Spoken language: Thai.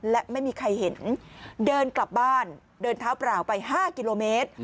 และไม่มีใครเห็นเดินกลับบ้านเดินเท้าเปล่าไป๕กิโลเมตร